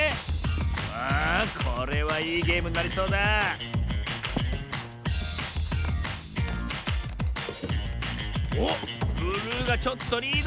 さあこれはいいゲームになりそうだおっブルーがちょっとリード！